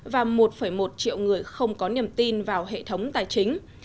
và một một triệu người không có niềm tin vào hệ thống tài chính